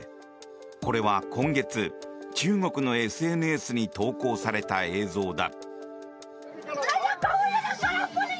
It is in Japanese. これは今月、中国のＳＮＳに投稿された映像だ。